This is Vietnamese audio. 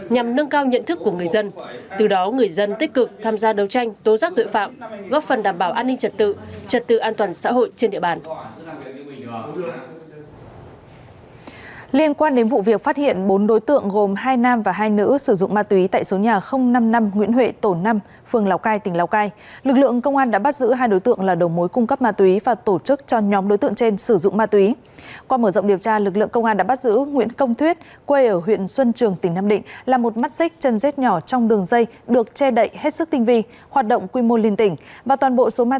nhằm nâng cao nhận thức của người dân từ đó người dân tích cực tham gia đấu tranh tố giác tội phạm góp phần đảm bảo an ninh trật tự trật tự an toàn xã hội trên địa bàn